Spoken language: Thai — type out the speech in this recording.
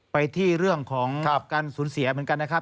ไปที่เรื่องของการสูญเสียเหมือนกันนะครับ